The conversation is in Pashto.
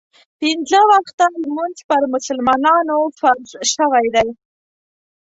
پنځه وخته لمونځ پر مسلمانانو فرض شوی دی.